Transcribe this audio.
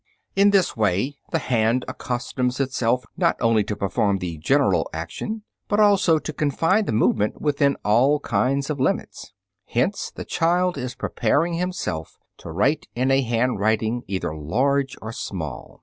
In this way the hand accustoms itself, not only to perform the general action, but also to confine the movement within all kinds of limits. Hence the child is preparing himself to write in a handwriting either large or small.